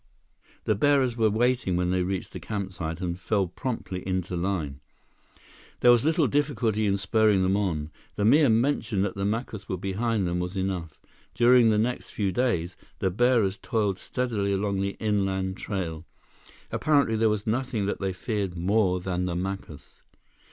The bearers were waiting when they reached the campsite, and fell promptly into line. There was little difficulty in spurring them on. The mere mention that the Macus were behind them was enough. During the next few days, the bearers toiled steadily along the inland trail. Apparently, there was nothing that they feared more than the Macus.